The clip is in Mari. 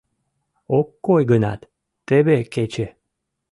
Ок кой гынат, теве кече.